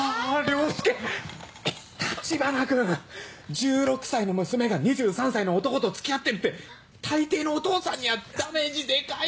１６歳の娘が２３歳の男と付き合ってるって大抵のお父さんにはダメージでかいよ。